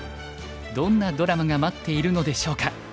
どんなドラマが待っているのでしょうか。